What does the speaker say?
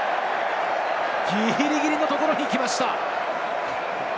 ギリギリのところに行きました。